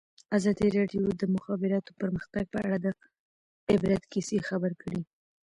ازادي راډیو د د مخابراتو پرمختګ په اړه د عبرت کیسې خبر کړي.